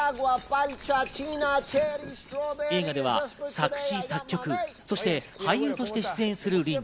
映画では作詞・作曲、そして俳優として出演するリン。